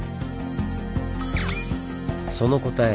その答え